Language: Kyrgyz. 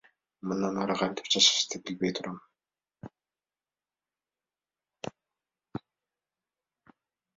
Мындан ары кантип жашашты билбей турам.